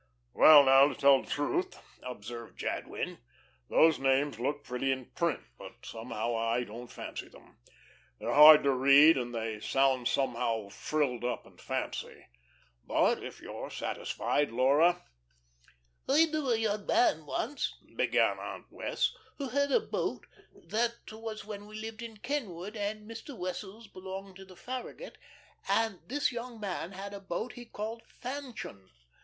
"Well now, to tell the truth," observed Jadwin, "those names look pretty in print; but somehow I don't fancy them. They're hard to read, and they sound somehow frilled up and fancy. But if you're satisfied, Laura " "I knew a young man once," began Aunt Wess', "who had a boat that was when we lived at Kenwood and Mr. Wessels belonged to the 'Farragut' and this young man had a boat he called 'Fanchon.'